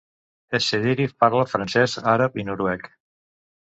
Essediri parla francès, àrab i noruec.